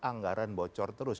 anggaran bocor terus